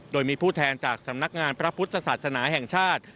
โดยมีผู้แทนจากสำนักงานพระพุทธศาสนาแห่งชาติ